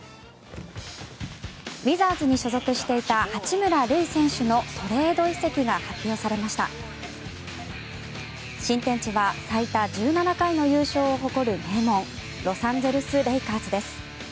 ウィザーズに所属していた八村塁選手のトレード移籍が発表されました新天地は最多１７回の優勝を誇る名門ロサンゼルス・レイカーズです。